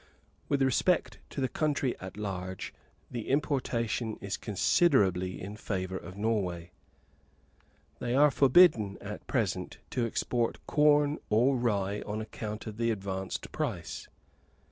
With respect to the country at large, the importation is considerably in favour of Norway. They are forbidden, at present, to export corn or rye on account of the advanced price.